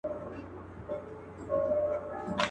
ته خپل قاتل ته ګرېوان څنګه څیرې؟.